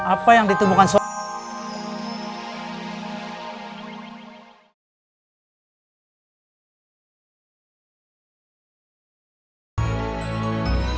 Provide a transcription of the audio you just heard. apa yang ditubuhkan sobri